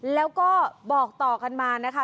แล้วก็บอกต่อกันมานะคะ